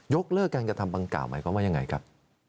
เลิกการกระทำดังกล่าวหมายความว่ายังไงครับ